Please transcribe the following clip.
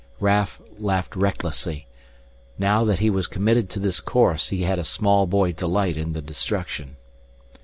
Raf laughed recklessly. Now that he was committed to this course, he had a small boy delight in the destruction.